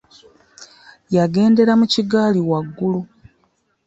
Yangendera mu kigaali muggulu .